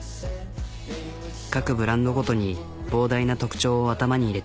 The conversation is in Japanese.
各ブランドごとに膨大な特徴を頭に入れている。